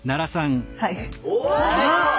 はい。